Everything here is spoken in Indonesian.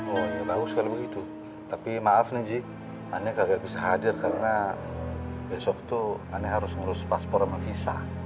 oh ya bagus kalo begitu tapi maaf nih anek kagak bisa hadir karena besok tuh anek harus ngurus paspor sama visa